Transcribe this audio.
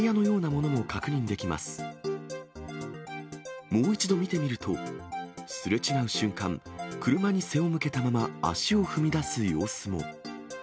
もう一度見てみると、すれ違う瞬間、車に背を向けたまま、足を踏み出す様子も。